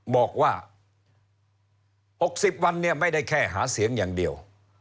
บอกว่า๖๐วันเนี่ยไม่ได้แค่หาเสียงอย่างเดียว